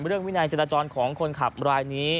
เรื่องวินัยจินตรรจรของคนขับเรื่องรายนี้